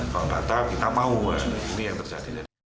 kalau data kita mau ini yang terjadi